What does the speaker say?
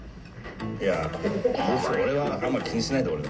いや俺はあんまり気にしないで俺の事は。